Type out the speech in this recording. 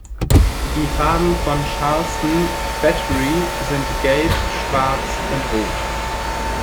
Die Farben von Charleston Battery sind gelb, schwarz und rot.